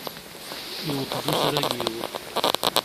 Yewweḍ-d usrag-iw.